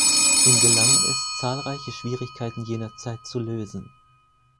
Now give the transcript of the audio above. Ihm gelang es zahlreiche Schwierigkeiten jener Zeit zu lösen.